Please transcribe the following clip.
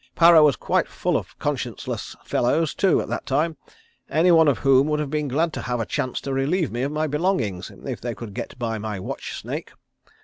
Para was quite full of conscienceless fellows, too, at that time, any one of whom would have been glad to have a chance to relieve me of my belongings if they could get by my watch snake.